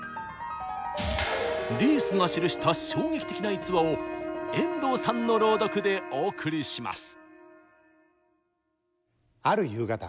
リースが記した衝撃的な逸話を遠藤さんの朗読でお送りします！